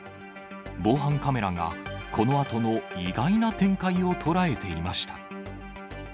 防犯カメラがこのあとの意外な展開を捉えていました。